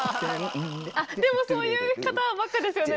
でもそういう方ばっかですよね